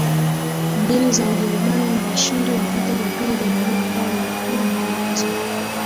mbili za Ujerumani na washindi wa Vita vya Pili vya Dunia ambao ni Uingereza